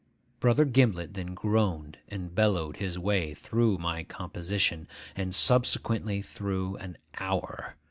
Brother Gimblet then groaned and bellowed his way through my composition, and subsequently through an hour.